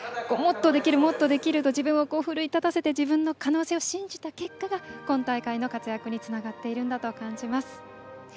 もっとできると自分を奮い立たせて自分の可能性を信じた結果が今大会の活躍につながっていると感じます。